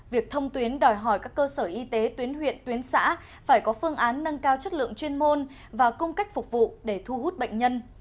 việc thông tuyến đòi hỏi các cơ sở y tế tuyến huyện tuyến xã phải có phương án nâng cao chất lượng chuyên môn và cung cách phục vụ để thu hút bệnh nhân